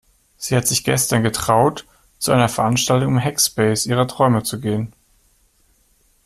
Sie hat sich gestern getraut, zu einer Veranstaltung im Hackspace ihrer Träume zu gehen.